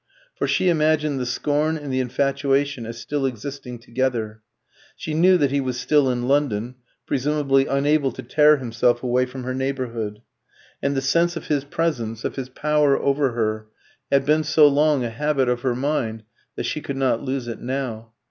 For she imagined the scorn and the infatuation as still existing together. She knew that he was still in London, presumably unable to tear himself away from her neighbourhood; and the sense of his presence, of his power over her, had been so long a habit of her mind that she could not lose it now.